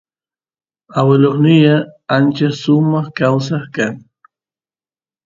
aguelosnyan ancha sumaq kawsay kan